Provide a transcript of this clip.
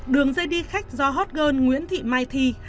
đường dây đi khách do hot girl nguyễn thị mai thi